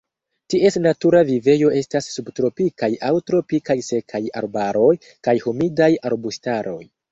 Ties natura vivejo estas subtropikaj aŭ tropikaj sekaj arbaroj kaj humidaj arbustaroj.